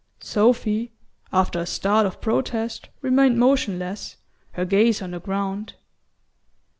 Sophy, after a start of protest, remained motionless, her gaze on the ground.